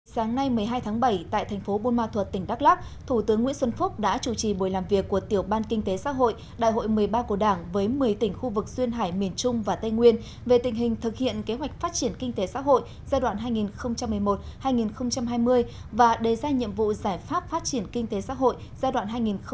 sáng nay một mươi hai tháng bảy tại thành phố buôn ma thuật tỉnh đắk lắc thủ tướng nguyễn xuân phúc đã chủ trì buổi làm việc của tiểu ban kinh tế xã hội đại hội một mươi ba của đảng với một mươi tỉnh khu vực duyên hải miền trung và tây nguyên về tình hình thực hiện kế hoạch phát triển kinh tế xã hội giai đoạn hai nghìn một mươi một hai nghìn hai mươi và đề ra nhiệm vụ giải pháp phát triển kinh tế xã hội giai đoạn hai nghìn hai mươi một hai nghìn hai mươi năm